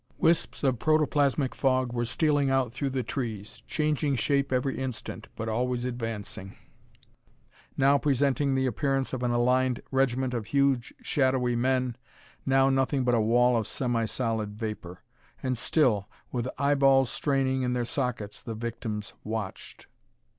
Wisps of protoplasmic fog were stealing out through the trees, changing shape every instant, but always advancing: now presenting the appearance of an aligned regiment of huge, shadowy men, now nothing but a wall of semi solid vapor. And still, with eyeballs straining in their sockets, the victims watched.